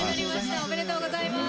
おめでとうございます。